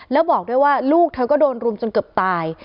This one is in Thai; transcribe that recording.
แล้วบอกด้วยว่าลูกเธอก็โดนรุมจนเกือบตาย